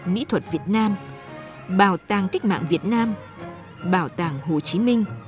mỹ thuật việt nam bảo tàng cách mạng việt nam bảo tàng hồ chí minh